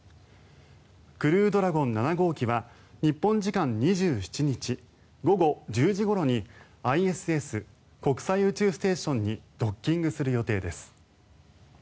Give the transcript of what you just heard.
クルードラゴン７号機は日本時間２７日午後１０時ごろにＩＳＳ・国際宇宙ステーションにドッキングする予定です。